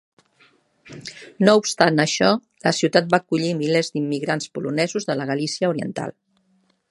No obstant això, la ciutat va acollir milers d'immigrants polonesos de la Galícia oriental.